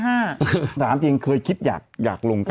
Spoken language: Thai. สามารถจริงเคยคิดอยากลงกันเหรอ